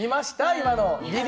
今の。